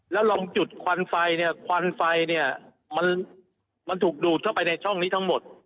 แล้วลองจุดควันไฟเนี่ยควันไฟเนี่ยมันถูกดูดเข้าไปในช่องนี้ทั้งหมด